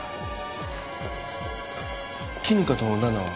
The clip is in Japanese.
絹香と奈々は？